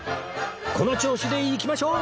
この調子でいきましょう！